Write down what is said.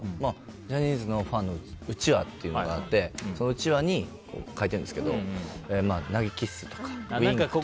ジャニーズのファンのうちわっていうのがあってそのうちわに書いてあるんですけど投げキッスとか、ウインクとか。